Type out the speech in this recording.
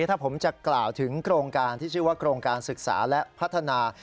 ถ้าผมจะกล่าวถึงโครงการที่ชื่อว่าโครงการศึกษาและพัฒนา